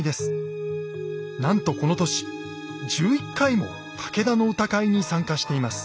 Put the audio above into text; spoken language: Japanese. なんとこの年１１回も武田の歌会に参加しています。